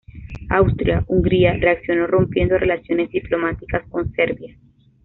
Austria-Hungría reaccionó rompiendo relaciones diplomáticas con Serbia.